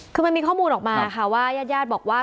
คือมันมีข้อมูลออกมาค่ะว่าญาติญาติบอกว่า